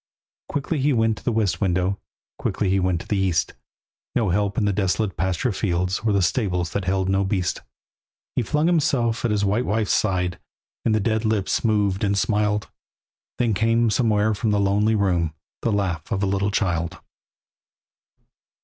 Quickly he went to the west window, Quickly he went to the east; No help in the desolate pasture fields, Or the stables that held no beast. He flung himself at his white wife's side, And the dead lips moved and smiled, Then came somewhere from the lonely room The laugh of a little child.